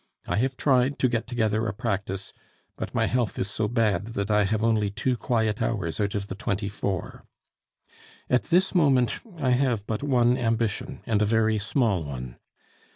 I have tried to get together a practice; but my health is so bad, that I have only two quiet hours out of the twenty four. "At this moment I have but one ambition, and a very small one.